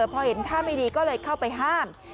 พอเห็นท่าไม่ดีก็เลยเข้าไปห้าม